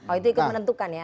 oh itu ikut menentukan ya